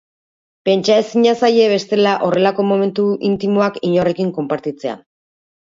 Pentsaezina zaie bestela horrelako momentu intimoak inorrekin konpartitzea.